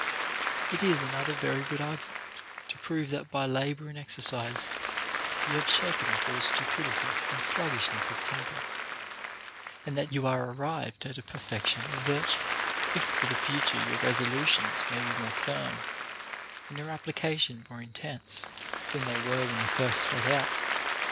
4. It is another very good argument to prove that by labor and exercise you have shaken off all stupidity' and sluggishness of temper, and that you are arrived at a perfection of virtue, if for the future your resolutions be more firm and your application more intense than they were when you first set out.